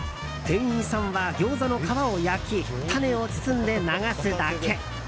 店員さんは、ギョーザの皮を焼きタネを包んで流すだけ。